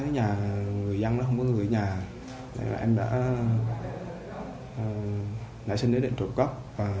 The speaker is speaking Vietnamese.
người dân không có người nhà em đã sinh đến để trộm cắp